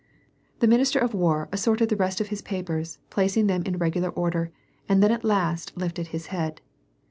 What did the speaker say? The minister of war assorted the rest of his papers, placing them in regular order and then at last lifted his head.